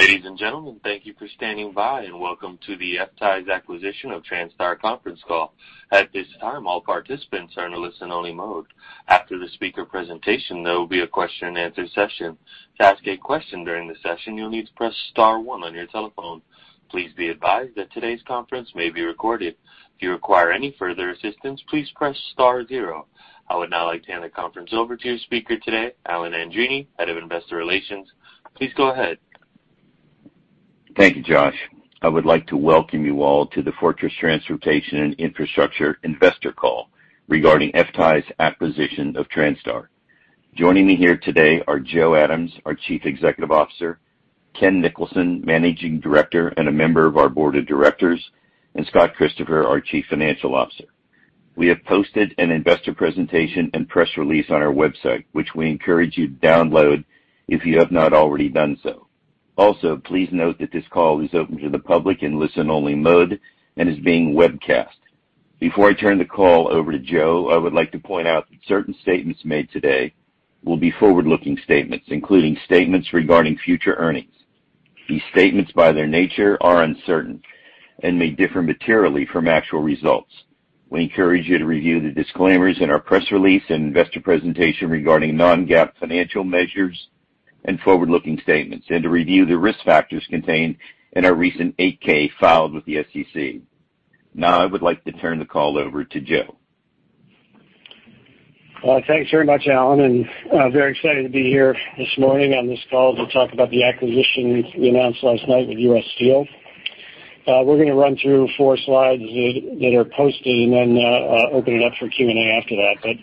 Ladies and gentlemen, thank you for standing by, and welcome to the FTAI's acquisition of Transtar conference call. At this time, all participants are in a listen-only mode. After the speaker presentation, there will be a question-and-answer session. To ask a question during the session, you'll need to press star one on your telephone. Please be advised that today's conference may be recorded. If you require any further assistance, please press star zero. I would now like to hand the conference over to your speaker today, Alan Andreini, Head of Investor Relations. Please go ahead. Thank you, Josh. I would like to welcome you all to the Fortress Transportation and Infrastructure Investors Call regarding FTAI's acquisition of Transtar. Joining me here today are Joe Adams, our Chief Executive Officer; Ken Nicholson, Managing Director and a member of our Board of Directors; and Scott Christopher, our Chief Financial Officer. We have posted an investor presentation and press release on our website, which we encourage you to download if you have not already done so. Also, please note that this call is open to the public in listen-only mode and is being webcast. Before I turn the call over to Joe, I would like to point out that certain statements made today will be forward-looking statements, including statements regarding future earnings. These statements, by their nature, are uncertain and may differ materially from actual results. We encourage you to review the disclaimers in our press release and investor presentation regarding non-GAAP financial measures and forward-looking statements, and to review the risk factors contained in our recent 8-K filed with the SEC. Now, I would like to turn the call over to Joe. Thanks very much, Alan. I'm very excited to be here this morning on this call to talk about the acquisition we announced last night with U.S. Steel. We're going to run through four slides that are posted and then open it up for Q&A after that. But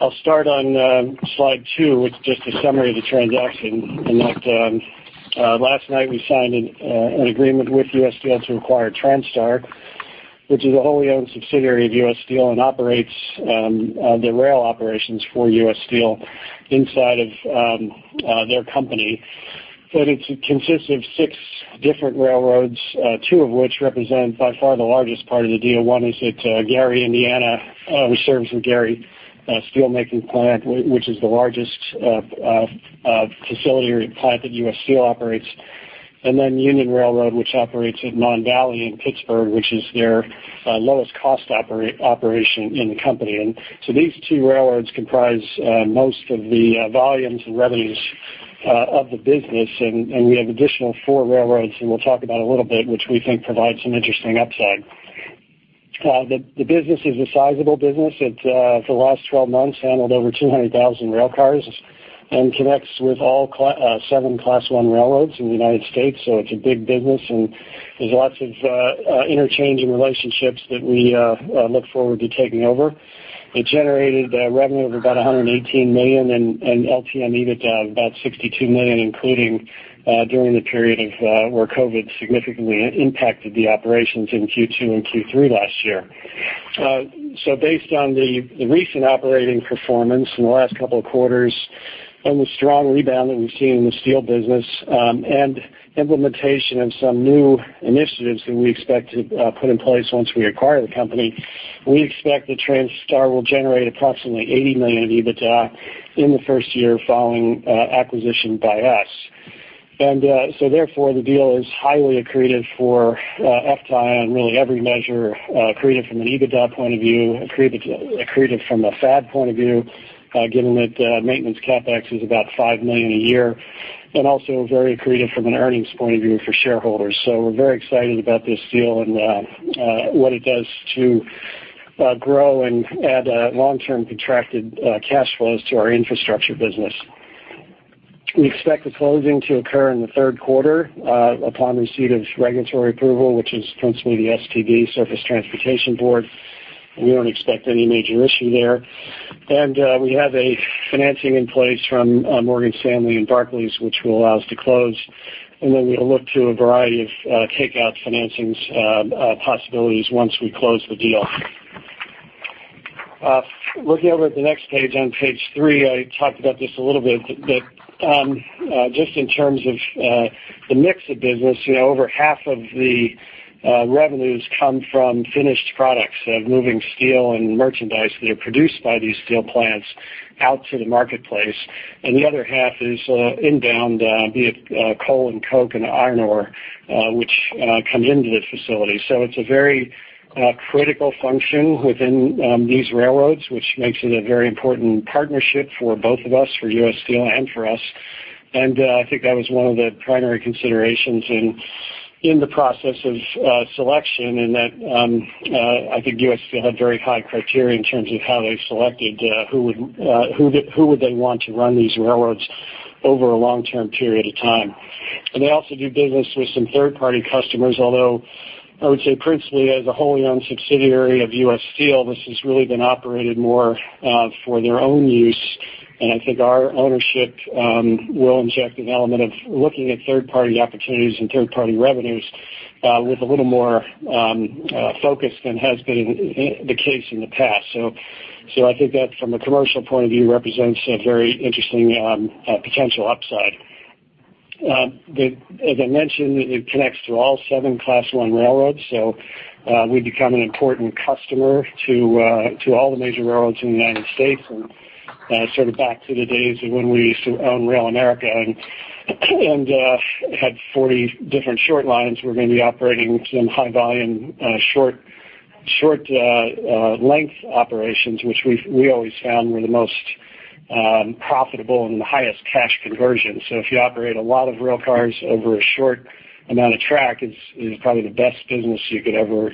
I'll start on slide two, which is just a summary of the transaction in that last night we signed an agreement with U.S. Steel to acquire Transtar, which is a wholly-owned subsidiary of U.S. Steel and operates the rail operations for U.S. Steel inside of their company. But it consists of six different railroads, two of which represent by far the largest part of the deal. One is at Gary, Indiana, which serves the Gary steelmaking plant, which is the largest facility or plant that U.S. Steel operates. And then Union Railroad, which operates at Mon Valley in Pittsburgh, which is their lowest-cost operation in the company. And so these two railroads comprise most of the volumes and revenues of the business. And we have additional four railroads that we'll talk about a little bit, which we think provide some interesting upside. The business is a sizable business. It's, for the last 12 months, handled over 200,000 rail cars and connects with all seven Class I railroads in the United States. So it's a big business, and there's lots of interchange and relationships that we look forward to taking over. It generated revenue of about $118 million and LTM EBITDA to about $62 million, including during the period where COVID significantly impacted the operations in Q2 and Q3 last year. So based on the recent operating performance in the last couple of quarters and the strong rebound that we've seen in the steel business and implementation of some new initiatives that we expect to put in place once we acquire the company, we expect that Transtar will generate approximately $80 million EBITDA in the first year following acquisition by us. And so therefore, the deal is highly accretive for FTAI on really every measure accretive from an EBITDA point of view, accretive from a FAD point of view, given that maintenance CapEx is about $5 million a year, and also very accretive from an earnings point of view for shareholders. So we're very excited about this deal and what it does to grow and add long-term contracted cash flows to our infrastructure business. We expect the closing to occur in the third quarter upon receipt of regulatory approval, which is principally the STB, Surface Transportation Board. We don't expect any major issue there. And we have a financing in place from Morgan Stanley and Barclays, which will allow us to close. And then we'll look to a variety of takeout financing possibilities once we close the deal. Looking over at the next page, on page three, I talked about this a little bit, but just in terms of the mix of business, over half of the revenues come from finished products of moving steel and merchandise that are produced by these steel plants out to the marketplace. And the other half is inbound, be it coal and coke and iron ore, which comes into this facility. So it's a very critical function within these railroads, which makes it a very important partnership for both of us, for U.S. Steel and for us. And I think that was one of the primary considerations in the process of selection in that I think U.S. Steel had very high criteria in terms of how they selected who would they want to run these railroads over a long-term period of time. And they also do business with some third-party customers, although I would say principally, as a wholly-owned subsidiary of U.S. Steel, this has really been operated more for their own use. And I think our ownership will inject an element of looking at third-party opportunities and third-party revenues with a little more focus than has been the case in the past. So I think that from a commercial point of view represents a very interesting potential upside. As I mentioned, it connects to all seven Class I railroads, so we become an important customer to all the major railroads in the United States, and sort of back to the days when we used to own RailAmerica and had 40 different short lines, we're going to be operating some high-volume short length operations, which we always found were the most profitable and the highest cash conversion, so if you operate a lot of rail cars over a short amount of track, it's probably the best business you could ever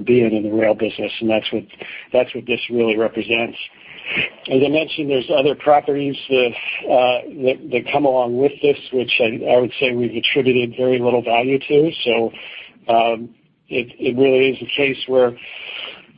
be in in the rail business, and that's what this really represents. As I mentioned, there's other properties that come along with this, which I would say we've attributed very little value to. So it really is a case where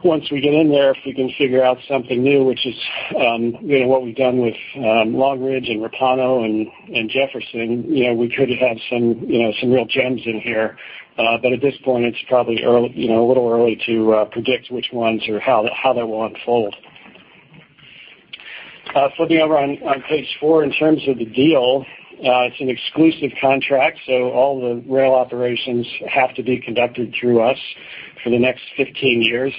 once we get in there, if we can figure out something new, which is what we've done with Long Ridge and Repauno and Jefferson, we could have some real gems in here. But at this point, it's probably a little early to predict which ones or how that will unfold. Flipping over on page four, in terms of the deal, it's an exclusive contract. So all the rail operations have to be conducted through us for the next 15 years.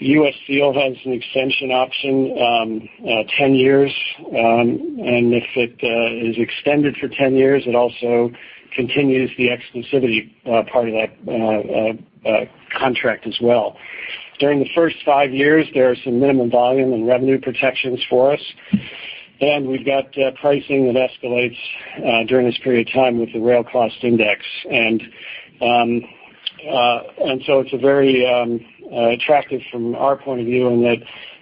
U.S. Steel has an extension option of 10 years. And if it is extended for 10 years, it also continues the exclusivity part of that contract as well. During the first five years, there are some minimum volume and revenue protections for us. And we've got pricing that escalates during this period of time with the rail cost index. And so it's very attractive from our point of view in that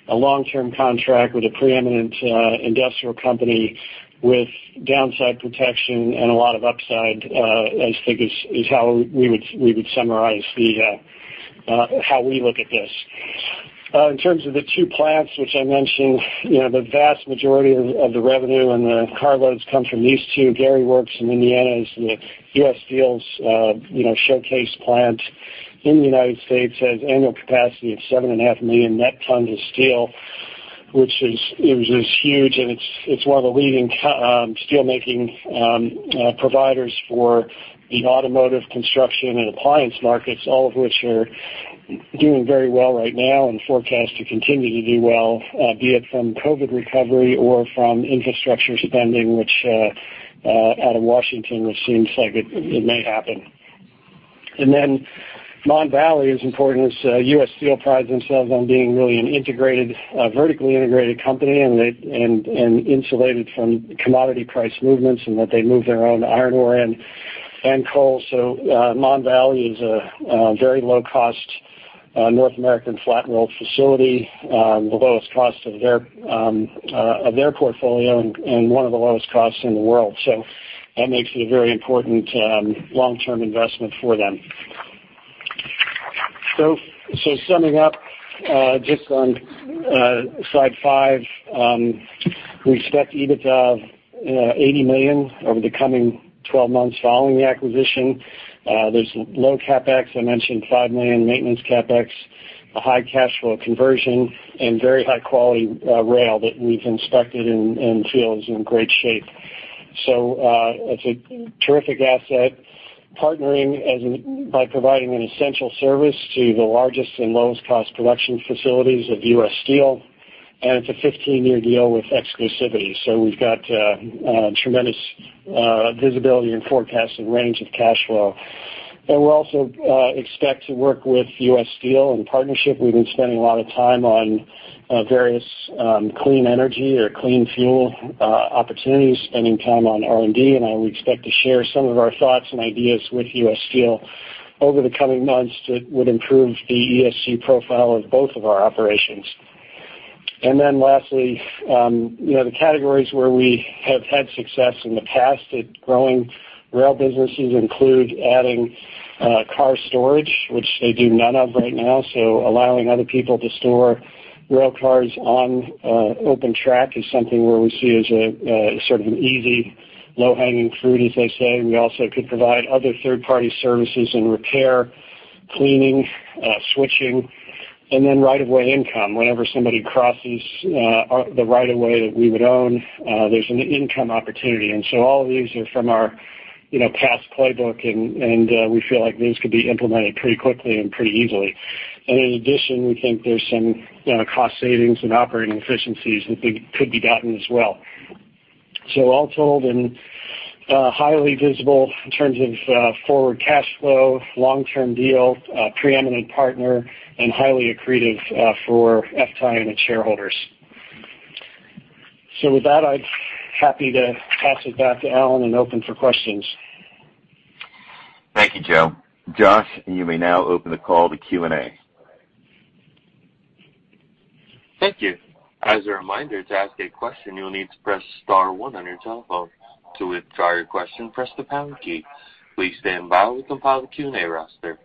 a long-term contract with a preeminent industrial company with downside protection and a lot of upside, I think, is how we would summarize how we look at this. In terms of the two plants, which I mentioned, the vast majority of the revenue and the carloads come from these two. Gary Works in Indiana is the U.S. Steel's showcase plant in the United States. It has annual capacity of 7.5 million net tons of steel, which is huge. And it's one of the leading steelmaking providers for the automotive, construction, and appliance markets, all of which are doing very well right now and forecast to continue to do well, be it from COVID recovery or from infrastructure spending, which out of Washington, it seems like it may happen. And then Mon Valley is important as U.S. Steel prides themselves on being really a vertically integrated company and insulated from commodity price movements and that they move their own iron ore and coal. So Mon Valley is a very low-cost North American flat roll facility, the lowest cost of their portfolio and one of the lowest costs in the world. So that makes it a very important long-term investment for them. So summing up, just on slide five, we expect EBITDA of $80 million over the coming 12 months following the acquisition. There's low CapEx. I mentioned $5 million maintenance CapEx, a high cash flow conversion, and very high-quality rail that we've inspected and feels in great shape. So it's a terrific asset partnering by providing an essential service to the largest and lowest-cost production facilities of U.S. Steel, and it's a 15-year deal with exclusivity. So we've got tremendous visibility and forecast and range of cash flow. We also expect to work with U.S. Steel in partnership. We've been spending a lot of time on various clean energy or clean fuel opportunities, spending time on R&D. We expect to share some of our thoughts and ideas with U.S. Steel over the coming months that would improve the ESG profile of both of our operations. Lastly, the categories where we have had success in the past at growing rail businesses include adding car storage, which they do none of right now. Allowing other people to store rail cars on open track is something where we see as sort of an easy, low-hanging fruit, as they say. We also could provide other third-party services in repair, cleaning, switching. Th+en right-of-way income. Whenever somebody crosses the right-of-way that we would own, there's an income opportunity. And so all of these are from our past playbook, and we feel like these could be implemented pretty quickly and pretty easily. And in addition, we think there's some cost savings and operating efficiencies that could be gotten as well. So all told, and highly visible in terms of forward cash flow, long-term deal, preeminent partner, and highly accretive for FTAI and its shareholders. So with that, I'm happy to pass it back to Alan and open for questions. Thank you, Joe. Josh, you may now open the call to Q&A. Thank you. As a reminder, to ask a question, you'll need to press star one on your telephone. To withdraw your question, press the pound key. Please stay by while we compile the Q&A roster.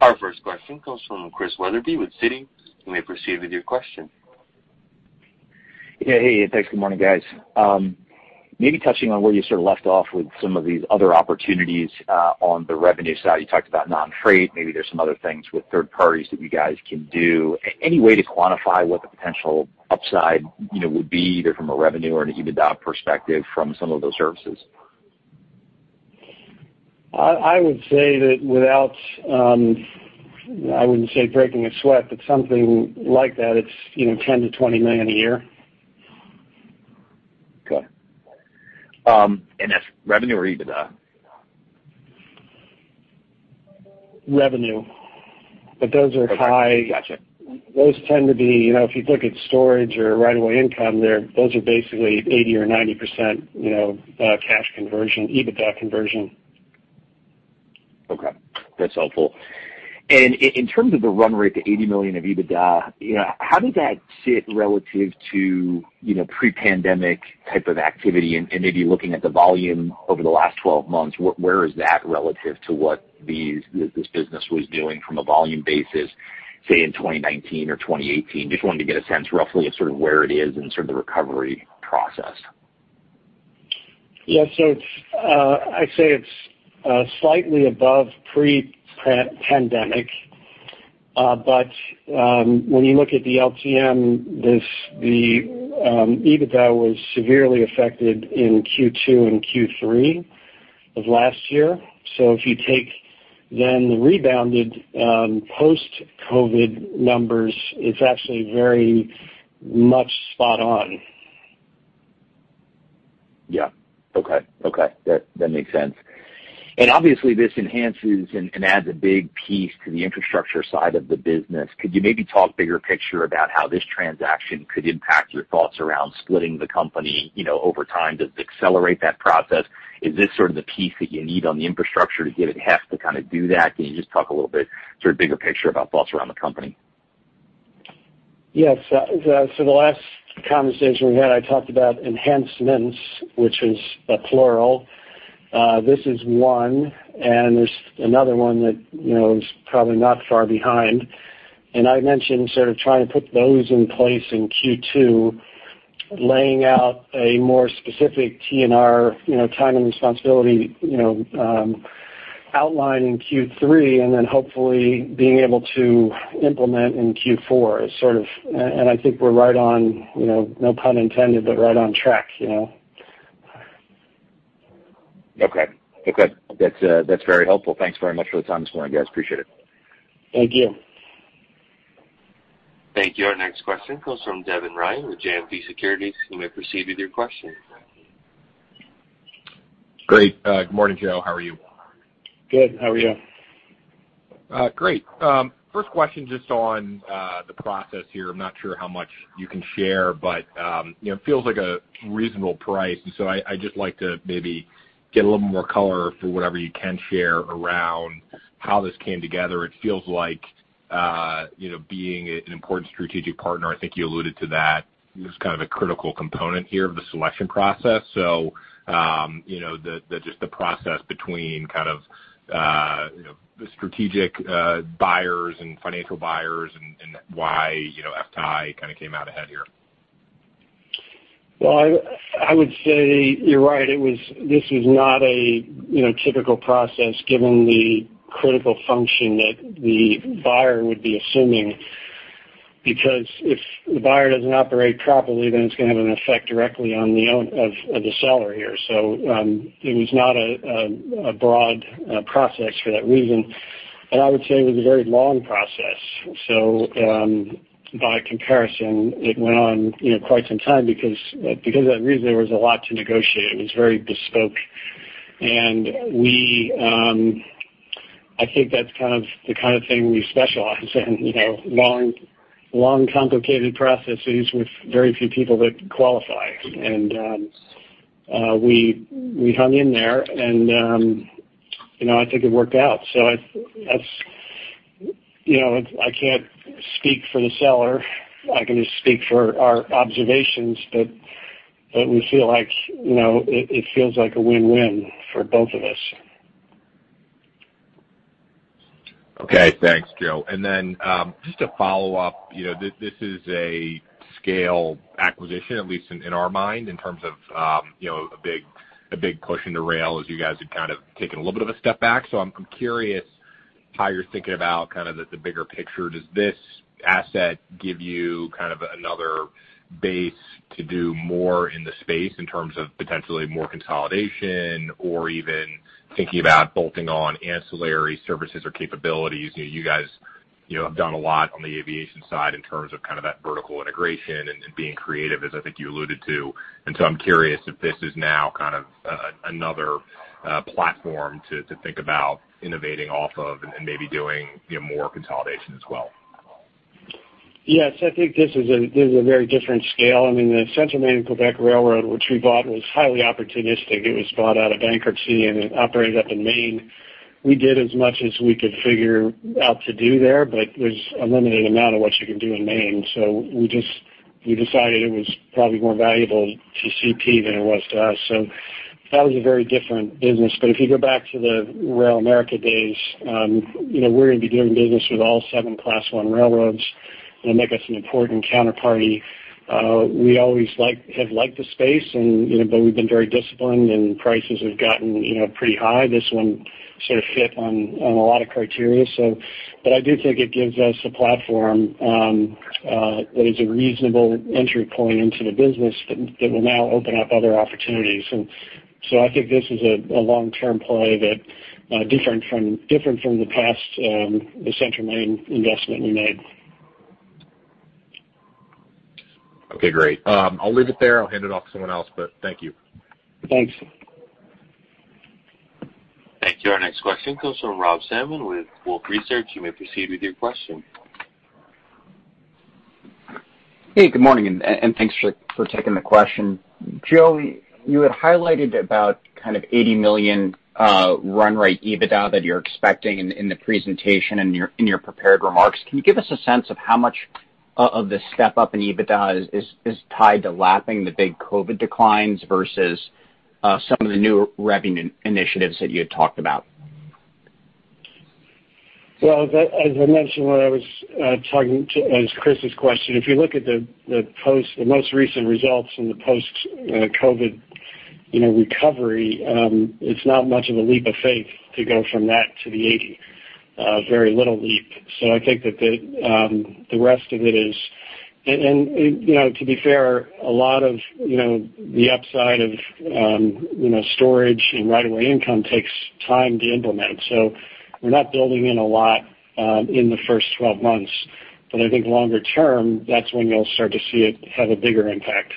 Our first question comes from Chris Wetherbee with Citi. You may proceed with your question. Yeah. Hey, thanks. Good morning, guys. Maybe touching on where you sort of left off with some of these other opportunities on the revenue side. You talked about non-freight. Maybe there's some other things with third parties that you guys can do. Any way to quantify what the potential upside would be, either from a revenue or an EBITDA perspective from some of those services? I would say that without, I wouldn't say breaking a sweat, but something like that, it's $10 million-$20 million a year. Okay. And that's revenue or EBITDA? Revenue. But those are high. Those tend to be—if you look at storage or right-of-way income, those are basically 80% or 90% cash conversion, EBITDA conversion. Okay. That's helpful. And in terms of the run rate to $80 million of EBITDA, how does that sit relative to pre-pandemic type of activity? And maybe looking at the volume over the last 12 months, where is that relative to what this business was doing from a volume basis, say, in 2019 or 2018? Just wanted to get a sense roughly of sort of where it is in sort of the recovery process. Yeah. So I'd say it's slightly above pre-pandemic. But when you look at the LTM, the EBITDA was severely affected in Q2 and Q3 of last year. So if you take then the rebounded post-COVID numbers, it's actually very much spot on. Yeah. Okay. Okay. That makes sense. And obviously, this enhances and adds a big piece to the infrastructure side of the business. Could you maybe talk bigger picture about how this transaction could impact your thoughts around splitting the company over time? Does it accelerate that process? Is this sort of the piece that you need on the infrastructure to get it half to kind of do that? Can you just talk a little bit sort of bigger picture about thoughts around the company? Yeah. So the last conversation we had, I talked about enhancements, which is a plural. This is one. And there's another one that is probably not far behind. And I mentioned sort of trying to put those in place in Q2, laying out a more specific T&R, time and responsibility outline in Q3, and then hopefully being able to implement in Q4. And I think we're right on - no pun intended - but right on track. Okay. Okay. That's very helpful. Thanks very much for the time this morning, guys. Appreciate it. Thank you. Thank you. Our next question comes from Devin Ryan with JMP Securities. You may proceed with your question. Great. Good morning, Joe. How are you? Good. How are you? Great. First question just on the process here. I'm not sure how much you can share, but it feels like a reasonable price. And so I'd just like to maybe get a little more color for whatever you can share around how this came together. It feels like being an important strategic partner, I think you alluded to that, is kind of a critical component here of the selection process. So just the process between kind of the strategic buyers and financial buyers and why FTAI kind of came out ahead here. Well, I would say you're right. This was not a typical process given the critical function that the buyer would be assuming. Because if the buyer doesn't operate properly, then it's going to have an effect directly on the seller here. So it was not a broad process for that reason. And I would say it was a very long process. So by comparison, it went on quite some time. Because of that reason, there was a lot to negotiate. It was very bespoke. And I think that's kind of the kind of thing we specialize in: long, complicated processes with very few people that qualify. And we hung in there. And I think it worked out. So I can't speak for the seller. I can just speak for our observations. But we feel like it feels like a win-win for both of us. Okay. Thanks, Joe. And then just to follow up, this is a scale acquisition, at least in our mind, in terms of a big push in the rail as you guys have kind of taken a little bit of a step back. So I'm curious how you're thinking about kind of the bigger picture. Does this asset give you kind of another base to do more in the space in terms of potentially more consolidation or even thinking about bolting on ancillary services or capabilities? You guys have done a lot on the aviation side in terms of kind of that vertical integration and being creative, as I think you alluded to. And so I'm curious if this is now kind of another platform to think about innovating off of and maybe doing more consolidation as well. Yes. I think this is a very different scale. I mean, the Central Maine & Quebec Railway, which we bought, was highly opportunistic. It was bought out of bankruptcy and operated up in Maine. We did as much as we could figure out to do there, but there's a limited amount of what you can do in Maine. So we decided it was probably more valuable to CP than it was to us. So that was a very different business. But if you go back to the RailAmerica days, we're going to be doing business with all seven Class I railroads. It'll make us an important counterparty. We always have liked the space, but we've been very disciplined, and prices have gotten pretty high. This one sort of fit on a lot of criteria. But I do think it gives us a platform that is a reasonable entry point into the business that will now open up other opportunities. And so I think this is a long-term play that is different from the past, the Central Maine investment we made. Okay. Great. I'll leave it there. I'll hand it off to someone else, but thank you. Thanks. Thank you. Our next question comes from Rob Salmon with Wolfe Research. You may proceed with your question. Hey, good morning, and thanks for taking the question. Joe, you had highlighted about kind of $80 million run rate EBITDA that you're expecting in the presentation and in your prepared remarks. Can you give us a sense of how much of the step up in EBITDA is tied to lapping the big COVID declines versus some of the new revenue initiatives that you had talked about? As I mentioned when I was talking to Chris's question, if you look at the most recent results and the post-COVID recovery, it's not much of a leap of faith to go from that to the $80 million, very little leap. So I think that the rest of it is, and to be fair, a lot of the upside of storage and right-of-way income takes time to implement. So we're not building in a lot in the first 12 months. But I think longer term, that's when you'll start to see it have a bigger impact.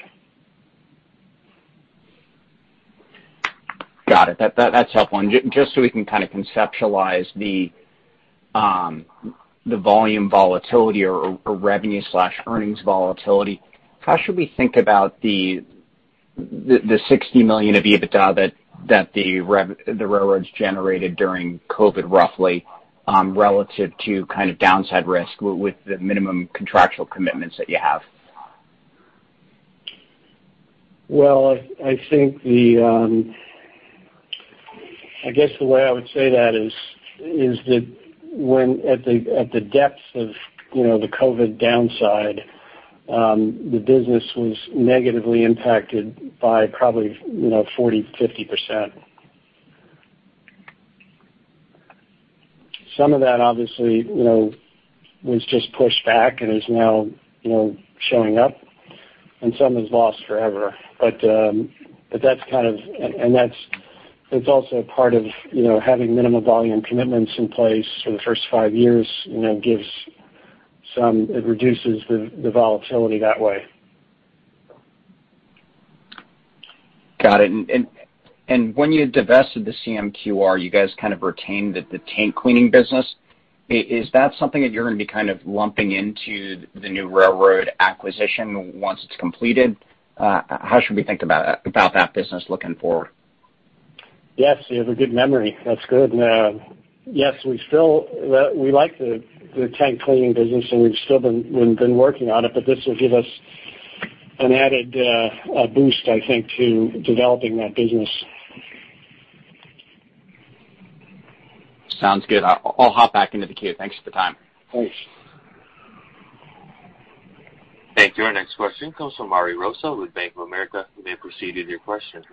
Got it. That's helpful. And just so we can kind of conceptualize the volume volatility or revenue/earnings volatility, how should we think about the $60 million of EBITDA that the railroads generated during COVID, roughly, relative to kind of downside risk with the minimum contractual commitments that you have? Well, I think—I guess the way I would say that is that at the depth of the COVID downside, the business was negatively impacted by probably 40%-50%. Some of that, obviously, was just pushed back and is now showing up. And some is lost forever. But that's kind of, and that's also part of having minimum volume commitments in place for the first five years. It reduces the volatility that way. Got it. And when you divested the CMQR, you guys kind of retained the tank cleaning business. Is that something that you're going to be kind of lumping into the new railroad acquisition once it's completed? How should we think about that business looking forward? Yes. You have a good memory. That's good. Yes. We like the tank cleaning business, and we've still been working on it. But this will give us an added boost, I think, to developing that business. Sounds good. I'll hop back into the queue. Thanks for the time. Thanks. Thank you. Our next question comes from Ari Rosa with Bank of America. You may proceed with your question.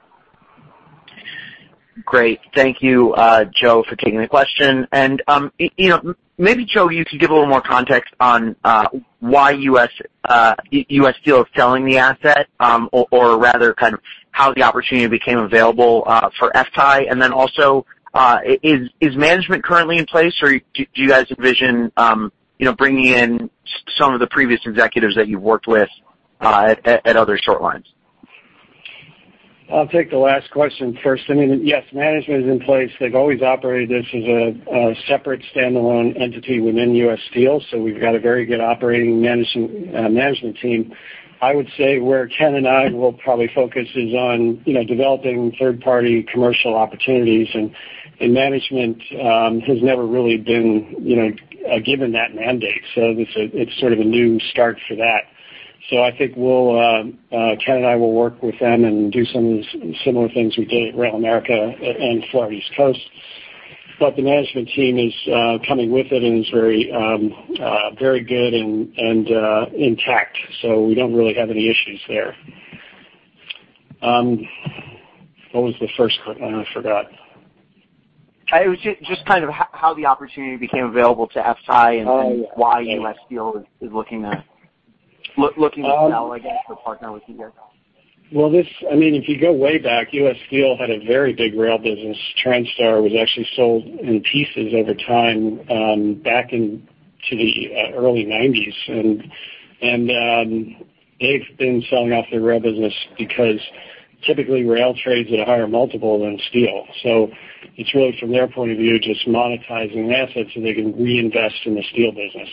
Great. Thank you, Joe, for taking the question. And maybe, Joe, you could give a little more context on why U.S. Steel is selling the asset, or rather kind of how the opportunity became available for FTAI. And then also, is management currently in place, or do you guys envision bringing in some of the previous executives that you've worked with at other short lines? I'll take the last question first. I mean, yes, management is in place. They've always operated this as a separate standalone entity within U.S. Steel. So we've got a very good operating management team. I would say where Ken and I will probably focus is on developing third-party commercial opportunities. And management has never really been given that mandate. So it's sort of a new start for that. So I think Ken and I will work with them and do some of the similar things we did at RailAmerica and Florida East Coast. But the management team is coming with it and is very good and intact. So we don't really have any issues there. What was the first one? I forgot. It was just kind of how the opportunity became available to FTAI and then why U.S. Steel is looking to sell against or partner with you guys. I mean, if you go way back, U.S. Steel had a very big rail business. Transtar was actually sold in pieces over time back into the early 1990s. They have been selling off their rail business because typically rail trades at a higher multiple than steel. It's really from their point of view just monetizing assets so they can reinvest in the steel business.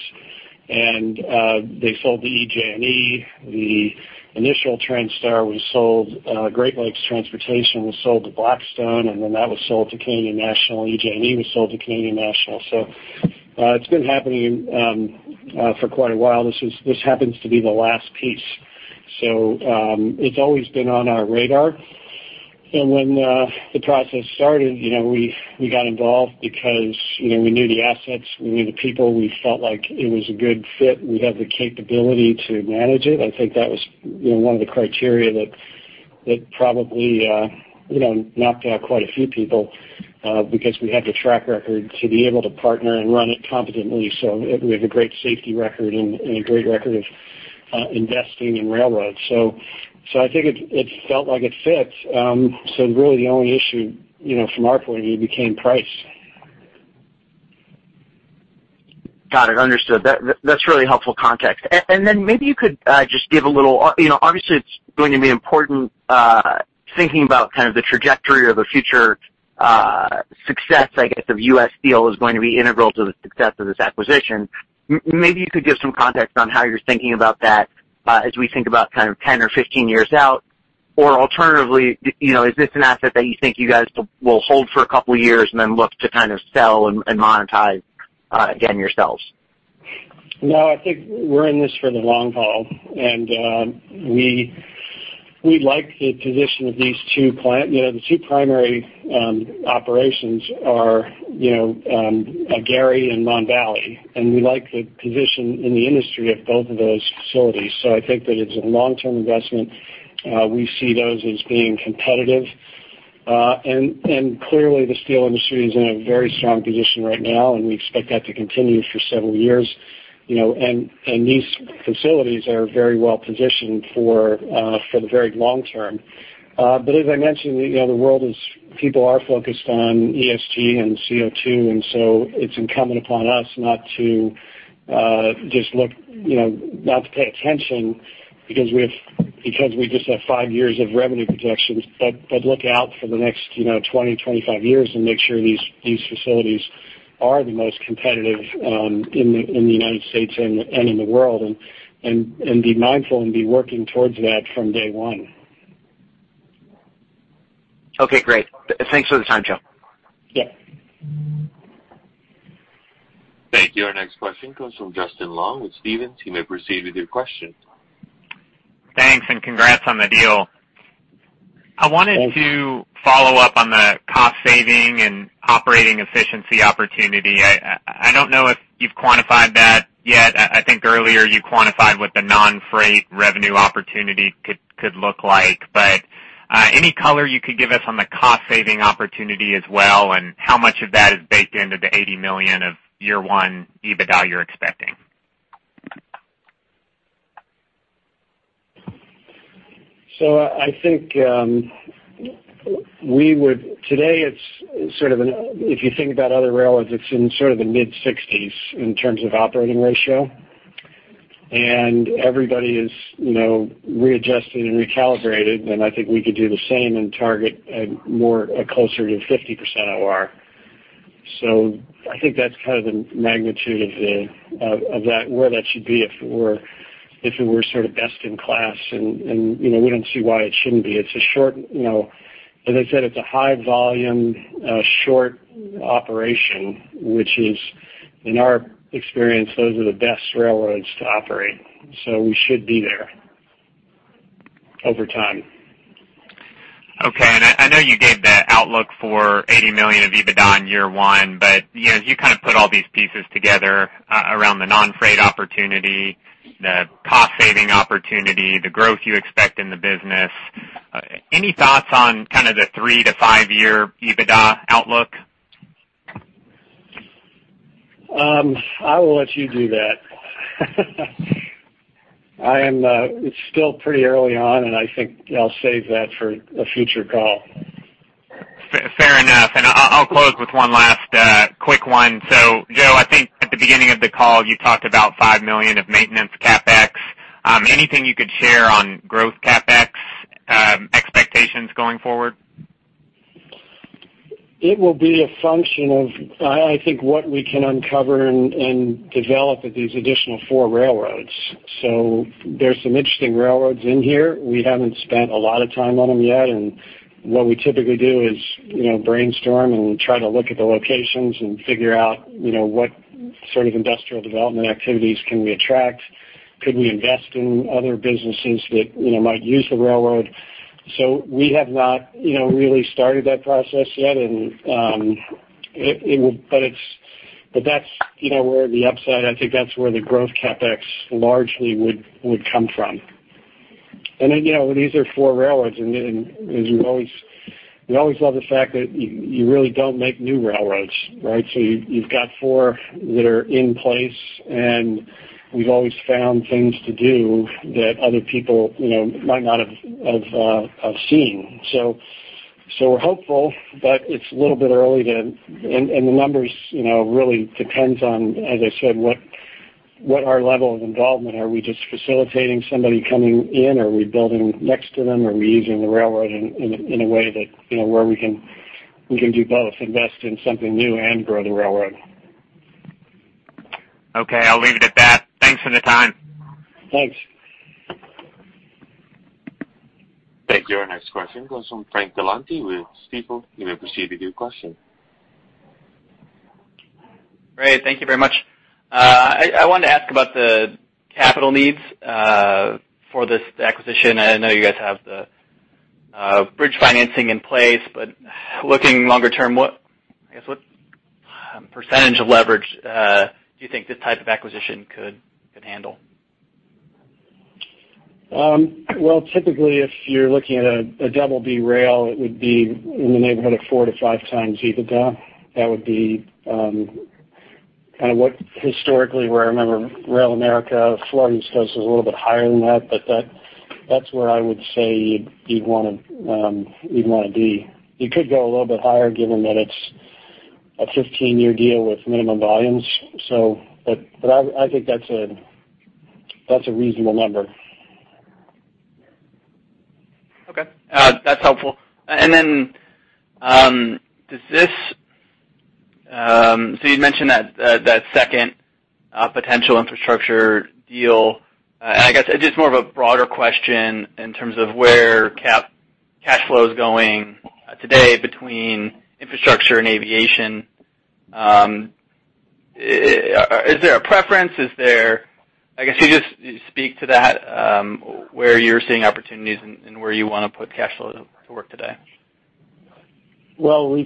They sold the EJ&E. The initial Transtar was sold. Great Lakes Transportation was sold to Blackstone. Then that was sold to Canadian National. EJ&E was sold to Canadian National. It's been happening for quite a while. This happens to be the last piece. It's always been on our radar. When the process started, we got involved because we knew the assets. We knew the people. We felt like it was a good fit. We had the capability to manage it. I think that was one of the criteria that probably knocked out quite a few people because we had the track record to be able to partner and run it competently. So we have a great safety record and a great record of investing in railroads. So I think it felt like it fit. So really the only issue from our point of view became price. Got it. Understood. That's really helpful context. And then maybe you could just give a little, obviously, it's going to be important thinking about kind of the trajectory of the future success, I guess, of U.S. Steel is going to be integral to the success of this acquisition. Maybe you could give some context on how you're thinking about that as we think about kind of 10 or 15 years out. Or alternatively, is this an asset that you think you guys will hold for a couple of years and then look to kind of sell and monetize again yourselves? No. I think we're in this for the long haul, and we like the position of these two, the two primary operations are Gary and Mon Valley. And we like the position in the industry of both of those facilities, so I think that it's a long-term investment. We see those as being competitive, and clearly, the steel industry is in a very strong position right now. And we expect that to continue for several years, and these facilities are very well positioned for the very long term. But as I mentioned, the world is, people are focused on ESG and CO2, and so it's incumbent upon us not to just look, not to pay attention because we just have five years of revenue projections, but look out for the next 20, 25 years and make sure these facilities are the most competitive in the United States and in the world. Be mindful and be working towards that from day one. Okay. Great. Thanks for the time, Joe. Yep. Thank you. Our next question comes from Justin Long with Stephens. You may proceed with your question. Thanks. Congrats on the deal. I wanted to follow up on the cost-saving and operating efficiency opportunity. I don't know if you've quantified that yet. I think earlier you quantified what the non-freight revenue opportunity could look like. Any color you could give us on the cost-saving opportunity as well and how much of that is baked into the $80 million of year one EBITDA you're expecting? So I think we would today, it's sort of and if you think about other railroads, it's in sort of the mid-60s in terms of operating ratio. And everybody is readjusted and recalibrated. And I think we could do the same and target a closer to 50% OR. So I think that's kind of the magnitude of where that should be if it were sort of best in class. And we don't see why it shouldn't be. It's a short, as I said, it's a high-volume, short operation, which is, in our experience, those are the best railroads to operate. So we should be there over time. Okay, and I know you gave the outlook for $80 million of EBITDA in year one, but you kind of put all these pieces together around the non-freight opportunity, the cost-saving opportunity, the growth you expect in the business. Any thoughts on kind of the three-to-five-year EBITDA outlook? I will let you do that. It's still pretty early on. I think I'll save that for a future call. Fair enough. And I'll close with one last quick one. So Joe, I think at the beginning of the call, you talked about $5 million of maintenance CapEx. Anything you could share on growth CapEx expectations going forward? It will be a function of, I think, what we can uncover and develop at these additional four railroads. So there's some interesting railroads in here. We haven't spent a lot of time on them yet. And what we typically do is brainstorm and try to look at the locations and figure out what sort of industrial development activities can we attract? Could we invest in other businesses that might use the railroad? So we have not really started that process yet. But that's where the upside, I think that's where the growth CapEx largely would come from. And these are four railroads. And as we always love the fact that you really don't make new railroads, right? So you've got four that are in place. And we've always found things to do that other people might not have seen. So we're hopeful. But it's a little bit early to, and the numbers really depend on, as I said, what our level of involvement is. Are we just facilitating somebody coming in? Are we building next to them? Are we using the railroad in a way where we can do both, invest in something new and grow the railroad? Okay. I'll leave it at that. Thanks for the time. Thanks. Thank you. Our next question comes from Frank Galanti with Stifel. You may proceed with your question. Great. Thank you very much. I wanted to ask about the capital needs for this acquisition. I know you guys have the bridge financing in place. But looking longer term, I guess what percentage of leverage do you think this type of acquisition could handle? Well, typically, if you're looking at a double B rail, it would be in the neighborhood of four-to-five times EBITDA. That would be kind of what historically, where I remember RailAmerica, Florida East Coast was a little bit higher than that. But that's where I would say you'd want to be. You could go a little bit higher given that it's a 15-year deal with minimum volumes. But I think that's a reasonable number. Okay. That's helpful. And then does this, so you'd mentioned that second potential infrastructure deal. And I guess it's just more of a broader question in terms of where cash flow is going today between infrastructure and aviation. Is there a preference? I guess you just speak to that, where you're seeing opportunities and where you want to put cash flow to work today. As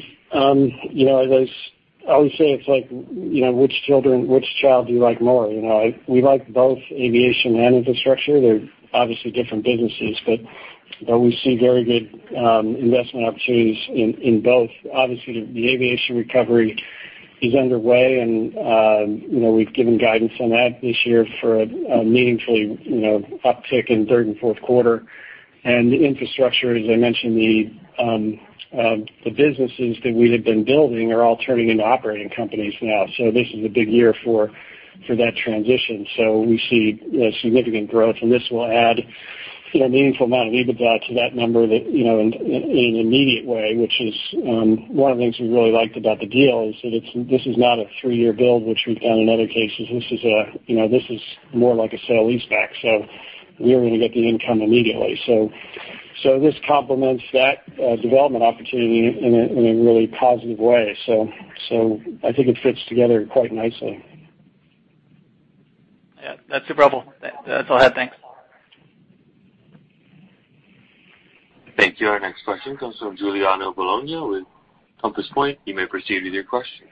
I always say, it's like which child do you like more? We like both aviation and infrastructure. They're obviously different businesses. But we see very good investment opportunities in both. Obviously, the aviation recovery is underway. We've given guidance on that this year for a meaningful uptick in third and fourth quarter. The infrastructure, as I mentioned, the businesses that we had been building are all turning into operating companies now. This is a big year for that transition. We see significant growth. This will add a meaningful amount of EBITDA to that number in an immediate way, which is one of the things we really liked about the deal, is that this is not a three-year build, which we've done in other cases. This is more like a sale-leaseback. We're going to get the income immediately. So this complements that development opportunity in a really positive way. So I think it fits together quite nicely. Yeah. That's super helpful. That's all I had. Thanks. Thank you. Our next question comes from Giuliano Bologna with Compass Point. You may proceed with your question.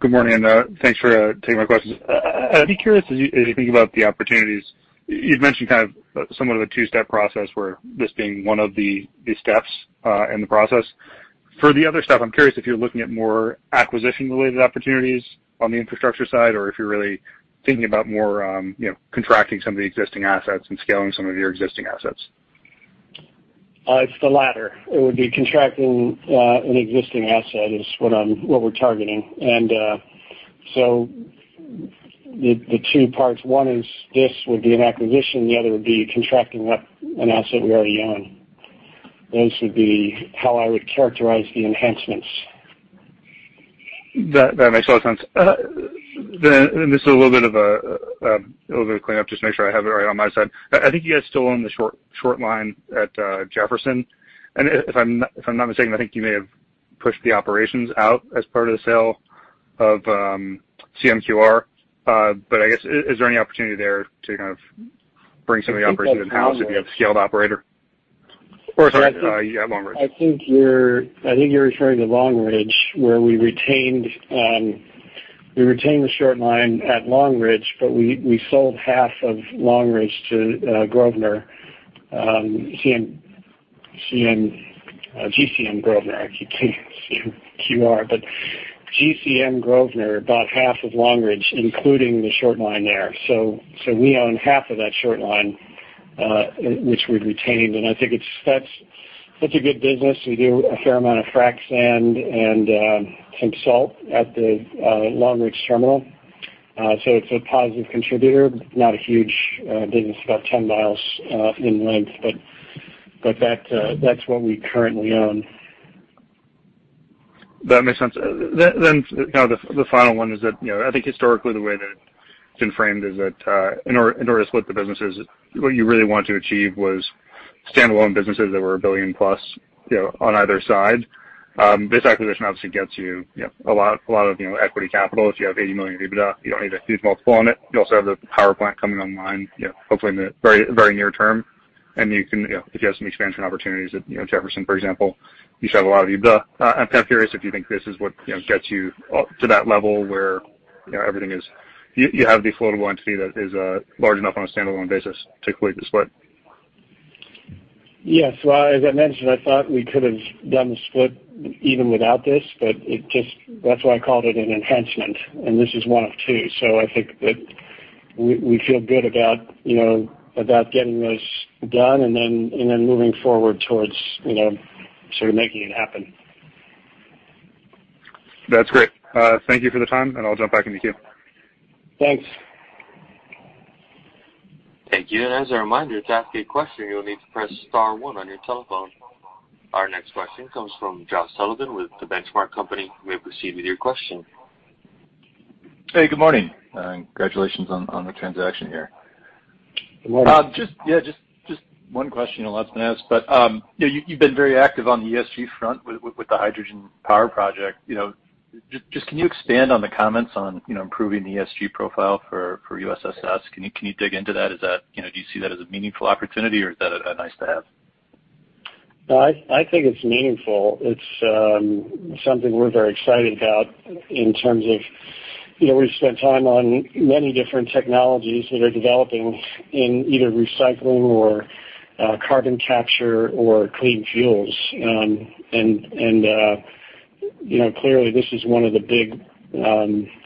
Good morning, and thanks for taking my questions. I'd be curious, as you think about the opportunities, you've mentioned kind of somewhat of a two-step process where this being one of the steps in the process. For the other stuff, I'm curious if you're looking at more acquisition-related opportunities on the infrastructure side or if you're really thinking about more contracting some of the existing assets and scaling some of your existing assets. It's the latter. It would be contracting an existing asset, is what we're targeting. And so the two parts, one is this would be an acquisition. The other would be contracting an asset we already own. Those would be how I would characterize the enhancements. That makes a lot of sense. And this is a little bit of a. Let me clean up, just make sure I have it right on my side. I think you guys still own the short line at Jefferson. And if I'm not mistaken, I think you may have pushed the operations out as part of the sale of CMQR. But I guess, is there any opportunity there to kind of bring some of the operations in-house if you have a scaled operator? Or sorry, you got Long Ridge. I think you're referring to Long Ridge, where we retained the short line at Long Ridge, but we sold half of Long Ridge to Grosvenor, GCM Grosvenor. I keep saying CMQR. But GCM Grosvenor, about half of Long Ridge, including the short line there. So we own half of that short line, which we've retained, and I think that's a good business. We do a fair amount of frac sand and some salt at the Long Ridge terminal. So it's a positive contributor, not a huge business, about 10 miles in length. But that's what we currently own. That makes sense. Then kind of the final one is that I think historically, the way that it's been framed is that in order to split the businesses, what you really want to achieve was standalone businesses that were a billion-plus on either side. This acquisition obviously gets you a lot of equity capital. If you have $80 million EBITDA, you don't need a huge multiple on it. You also have the power plant coming online, hopefully, in the very near term. And if you have some expansion opportunities at Jefferson, for example, you should have a lot of EBITDA. I'm kind of curious if you think this is what gets you to that level where everything is—you have the floatable entity that is large enough on a standalone basis to complete the split. Yes. Well, as I mentioned, I thought we could have done the split even without this. But that's why I called it an enhancement. And this is one of two. So I think that we feel good about getting those done and then moving forward towards sort of making it happen. That's great. Thank you for the time, and I'll jump back into queue. Thanks. Thank you. And as a reminder, to ask a question, you'll need to press star one on your telephone. Our next question comes from Josh Sullivan with The Benchmark Company. You may proceed with your question. Hey, good morning, and congratulations on the transaction here. Good morning. Yeah. Just one question that's been asked. But you've been very active on the ESG front with the hydrogen power project. Just can you expand on the comments on improving the ESG profile for U.S. Steel? Can you dig into that? Do you see that as a meaningful opportunity? Or is that a nice-to-have? I think it's meaningful. It's something we're very excited about in terms of we've spent time on many different technologies that are developing in either recycling or carbon capture or clean fuels. And clearly, this is one of the big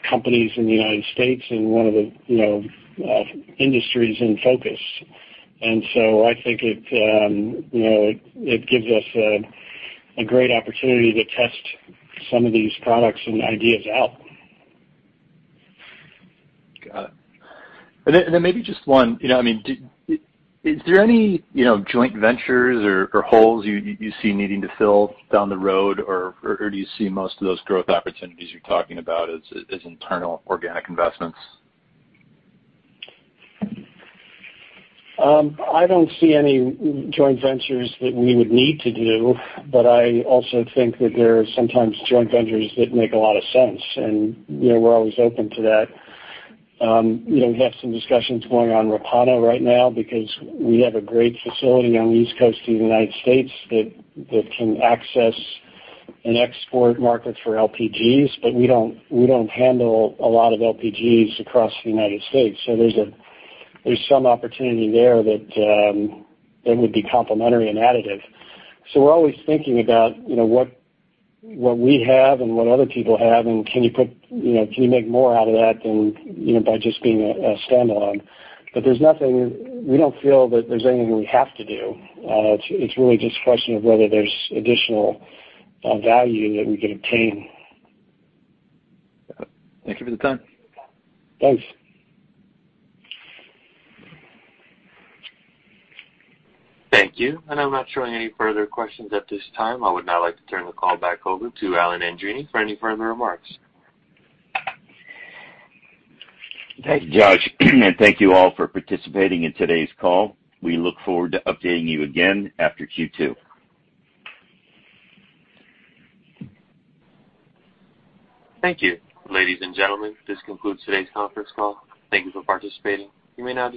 companies in the United States and one of the industries in focus. And so I think it gives us a great opportunity to test some of these products and ideas out. Got it. And then maybe just one. I mean, is there any joint ventures or holes you see needing to fill down the road? Or do you see most of those growth opportunities you're talking about as internal organic investments? I don't see any joint ventures that we would need to do. But I also think that there are sometimes joint ventures that make a lot of sense. And we're always open to that. We have some discussions going on with Repauno right now because we have a great facility on the East Coast of the United States that can access and export markets for LPGs. But we don't handle a lot of LPGs across the United States. So there's some opportunity there that would be complementary and additive. So we're always thinking about what we have and what other people have. And can you make more out of that than by just being a standalone? But we don't feel that there's anything we have to do. It's really just a question of whether there's additional value that we can obtain. Got it. Thank you for the time. Thanks. Thank you. And I'm not showing any further questions at this time. I would now like to turn the call back over to Alan Andreini for any further remarks. Thank you. Thank you, Josh. And thank you all for participating in today's call. We look forward to updating you again after Q2. Thank you, ladies and gentlemen. This concludes today's conference call. Thank you for participating. You may now.